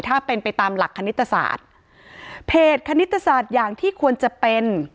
ถ้าเป็นไปตามหลักคณิตศาสตร์เพจคณิตศาสตร์อย่างที่ควรจะเป็น